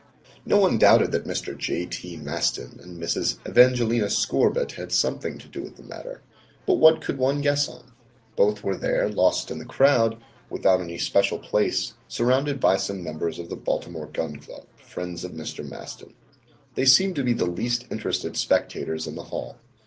No one doubted that Mr. J. T. Maston and Mrs. Evangelina Scorbitt had something to do with the matter, but what could one guess on? Both were there, lost in the crowd, without any special place, surrounded by some members of the Baltimore Gun Club, friends of Mr. Maston. They seemed to be the least interested spectators in the hall.